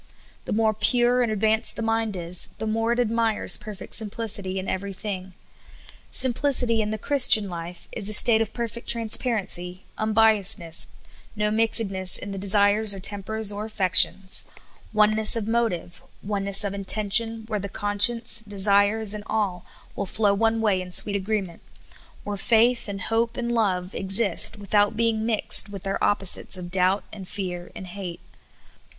The more pure and advanced the mind is, the more it ad mires perfect simplicity in every thing. Simplicity in the Christian life is the state of perfect transparency, unbiasedness ; no mixedness in the desires or tempers or affections ; oneness of motive, oneness of intention, where the conscience, desires, and will all flow one way in sweet agreement ; where faith and hope and love 54 SOUL FOOD. exist without being mixed with their opposites of doubt and fear and hate.